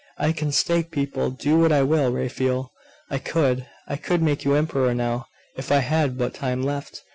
I can stake people do what I will, Raphael! I could I could make you emperor now, if I had but time left!